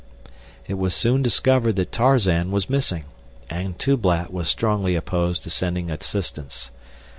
It was soon discovered that Tarzan was missing, and Tublat was strongly opposed to sending assistance.